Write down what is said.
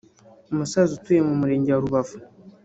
umusaza utuye mu Murenge wa Rubavu